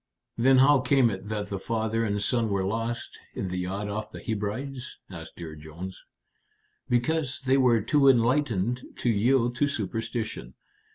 "Then how came it that the father and son were lost in the yacht off the Hebrides?" asked Dear Jones. "Because they were too enlightened to yield to superstition.